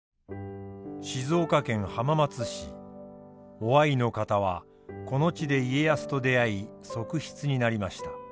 於愛の方はこの地で家康と出会い側室になりました。